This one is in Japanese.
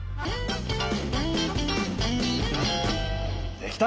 できた！